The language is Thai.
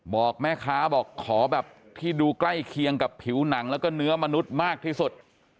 บอกแม่ค้าบอกขอแบบที่ดูใกล้เคียงกับผิวหนังแล้วก็เนื้อมนุษย์มากที่สุด